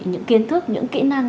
những kiến thức những kỹ năng